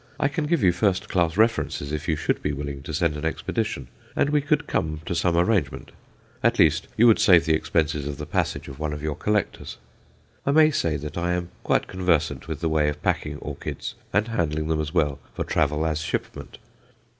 I can give you first class references if you should be willing to send an expedition, and we could come to some arrangement; at least, you would save the expenses of the passage of one of your collectors. I may say that I am quite conversant with the way of packing orchids and handling them as well for travel as shipment.